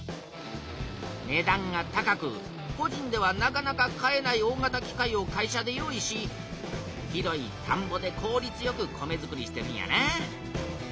ねだんが高くこじんではなかなか買えない大型機械を会社で用意し広いたんぼでこうりつよく米づくりしてるんやな。